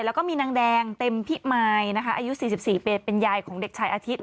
แล้วก็มีนางแดงเต็มพิมายนะคะอายุ๔๔ปีเป็นยายของเด็กชายอาทิตย